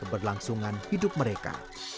dan berlangsungan hidup mereka